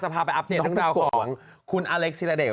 จะพาไปอัพเดทเรื่องราวของคุณอเล็กซ์ธีระเด็ก